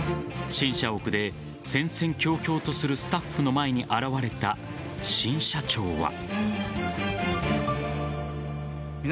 新社屋で戦々恐々とするスタッフの前に現れた新社長は。